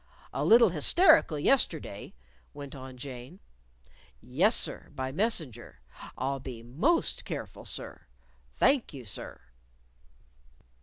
"A little hysterical yesterday," went on Jane. "...Yes, sir, by messenger.... I'll be most careful, sir.... Thank you, sir."